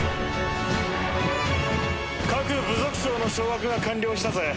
各部族長の掌握が完了したぜ。